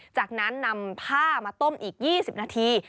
จากนั้นนำผ้ามาต้มอีก๒๐นาที